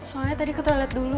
soalnya tadi aku telat dulu